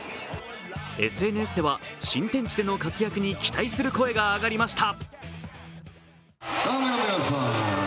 ＳＮＳでは、新天地での活躍に期待する声があがりました。